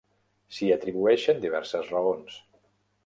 S'hi atribueixen diverses raons.